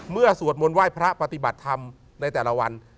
สวดมนต์ไหว้พระปฏิบัติธรรมในแต่ละวัน